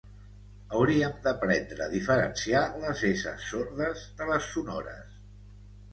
Hauríem d'aprendre a diferenciar les esses sordes de les sonores